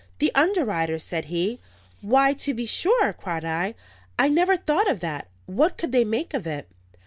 "The underwriters," said he. "Why, to be sure!" cried I, "I never thought of that. What could they make of it?"